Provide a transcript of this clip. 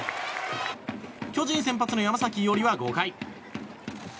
巨人先発の山崎伊織は５回。